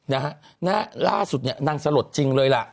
นะฮะหน้าล่าสุดเนี่ยนางสลดจริงเลยล่ะ